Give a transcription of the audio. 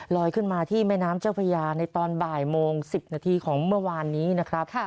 ขึ้นมาที่แม่น้ำเจ้าพระยาในตอนบ่ายโมง๑๐นาทีของเมื่อวานนี้นะครับ